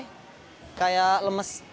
sampai kayak lemes